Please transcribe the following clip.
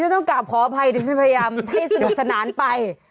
ต้องกลับขออภัยดิฉันพยายามให้สนุกสนานไป